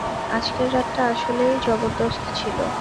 আজকের রাতটা আসলেই জবরদস্ত ছিল।